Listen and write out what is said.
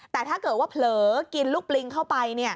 แต่ถ้าเกิดว่าเผลอกินลูกปลิงเข้าไป